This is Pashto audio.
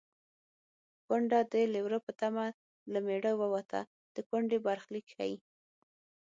کونډه د لېوره په تمه له مېړه ووته د کونډې برخلیک ښيي